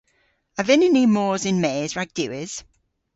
A vynnyn ni mos yn-mes rag diwes?